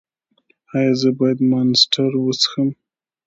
ایا زه باید مانسټر وڅښم؟